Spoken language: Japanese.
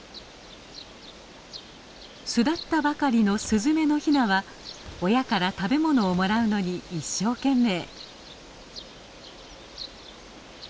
巣立ったばかりのスズメのヒナは親から食べ物をもらうのに一生懸命。